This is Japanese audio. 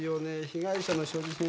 被害者の所持品